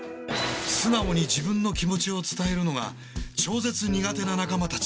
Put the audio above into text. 素直に自分の気持ちを伝えるのが超絶苦手な仲間たち。